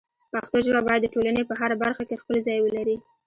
پښتو ژبه باید د ټولنې په هره برخه کې خپل ځای ولري.